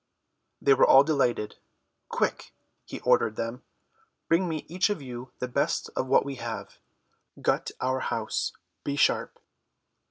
They were all delighted. "Quick," he ordered them, "bring me each of you the best of what we have. Gut our house. Be sharp."